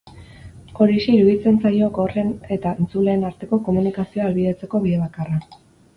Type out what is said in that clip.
Horixe iruditzen zaio gorren eta entzuleen arteko komunikazioa ahalbidetzeko bide bakarra.